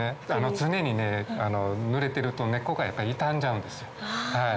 常にぬれてると根っこが傷んじゃうんですよ。